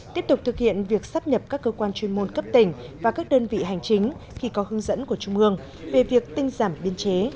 tiếp tục thực hiện việc sắp nhập các cơ quan chuyên môn cấp tỉnh và các đơn vị hành chính khi có hướng dẫn của trung ương về việc tinh giảm biên chế